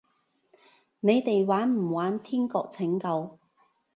你哋玩唔玩天國拯救？